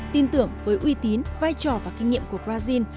tin tưởng với uy tín vai trò và kinh nghiệm của brazil